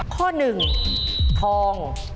ข้อหนึ่งทอง